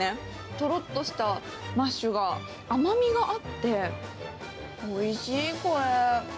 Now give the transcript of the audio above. とろっとしたマッシュが甘みがあって、おいしい、これ。